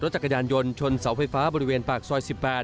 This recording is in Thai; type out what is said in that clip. จักรยานยนต์ชนเสาไฟฟ้าบริเวณปากซอย๑๘